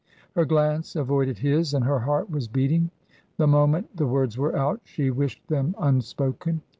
Her glance avoided his and her heart was beating. The moment the words were out she wished them un spoken.